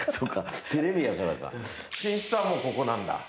寝室はもうここなんだ。